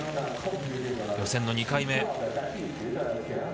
予選の２回目。